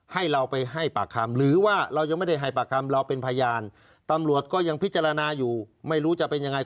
ให้เราไปให้ปากคำหรือว่าเรายังไม่ได้ให้ปากคำเราเป็นพยานตำรวจก็ยังพิจารณาอยู่ไม่รู้จะเป็นยังไง